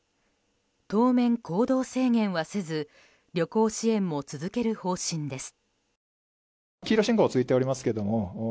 当面、行動制限はせず旅行支援も続ける方針です。